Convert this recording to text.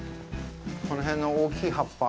この辺の大きい葉っぱ